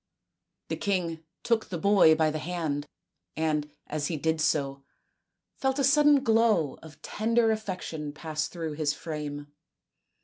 The king took the boy by the hand, and, as he did so, felt a sudden glow of tender affection pass through his frame.